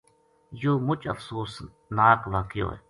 یوہ مُچ افسوس ناک واقعو